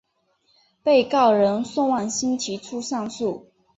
被告人宋万新提出上诉。